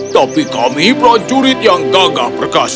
tapi kami prajurit yang gagah perkasa